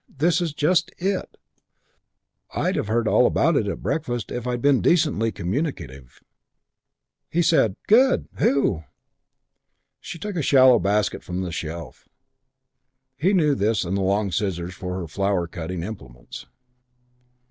This is just it. I'd have heard all about it at breakfast if I'd been decently communicative." He said, "Good. Who?" She took a shallow basket from the shelf. He knew this and the long scissors for her flower cutting implements.